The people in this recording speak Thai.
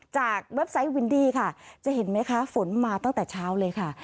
เว็บไซต์วินดี้ค่ะจะเห็นไหมคะฝนมาตั้งแต่เช้าเลยค่ะ